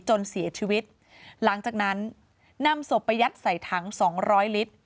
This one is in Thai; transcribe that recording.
จนเสียชีวิตหลังจากนั้นนำศพไปยัดใส่ถังสองร้อยลิตร